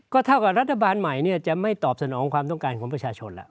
เท่ากับรัฐบาลใหม่จะไม่ตอบสนองความต้องการของประชาชนแล้ว